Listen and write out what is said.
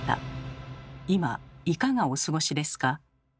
今いかがお過ごしですか？